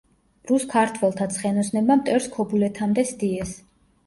რუს-ქართველთა ცხენოსნებმა მტერს ქობულეთამდე სდიეს.